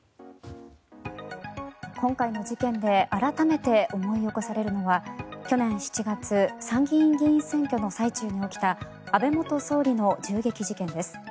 今回の事件で改めて思い起こされるのは去年７月参議院議員選挙の最中に起きた安倍元総理の銃撃事件です。